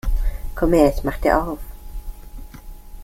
Komm her, ich mache dir auf!